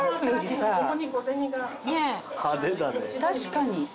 確かに。